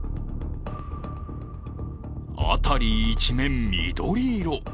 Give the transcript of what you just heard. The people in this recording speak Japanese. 辺り一面、緑色。